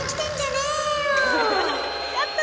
やった！